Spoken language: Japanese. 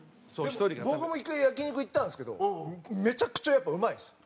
でも僕も１回焼き肉行ったんですけどめちゃくちゃやっぱうまいんですよ。